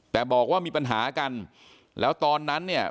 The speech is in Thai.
แต่บอกว่ามีปัญหากันแล้วตอนนั้นเนี่ย